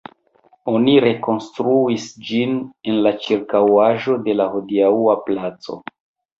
Oni rekonstruis ĝin en la ĉirkaŭaĵo de la hodiaŭa "Placo".